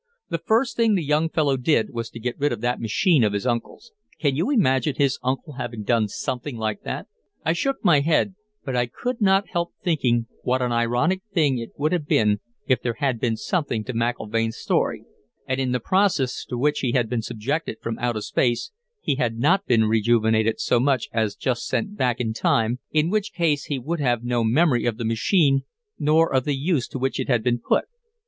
The first thing the young fellow did was to get rid of that machine of his uncle's. Can you imagine his uncle having done something like that?" I shook my head, but I could not help thinking what an ironic thing it would have been if there had been something to McIlvaine's story, and in the process to which he had been subjected from out of space he had not been rejuvenated so much as just sent back in time, in which case he would have no memory of the machine nor of the use to which it had been put.